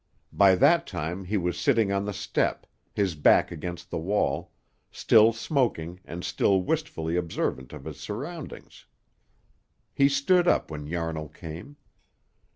By that time he was sitting on the step, his back against the wall, still smoking and still wistfully observant of his surroundings. He stood up when Yarnall came.